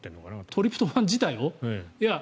トリプトファン自体を？